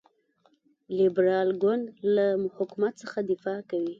لیبرال ګوند له حکومت څخه دفاع کوي.